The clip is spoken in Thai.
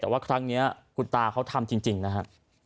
แต่ว่าครั้งนี้คุณตาเขาทำจริงนะฮะ